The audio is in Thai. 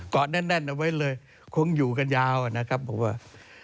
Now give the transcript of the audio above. แน่นเอาไว้เลยคงอยู่กันยาวนะครับผมว่า